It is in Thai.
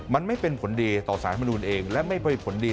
มันไม่เป็นผลดีต่อสารธรรมดูลเองและไม่ให้ผลดี